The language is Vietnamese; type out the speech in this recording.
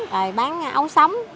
rồi bán ấu sống